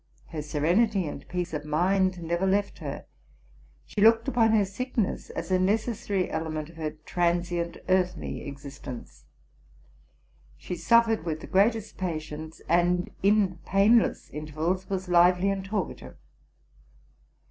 Her serenity and peace of mind never left her ; she looked upon her sickness as a necessary element of her transient earthly existence; she suffered with the greatest patience, and, in painless intervals, was lively and talkative.